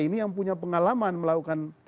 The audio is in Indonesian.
ini yang punya pengalaman melakukan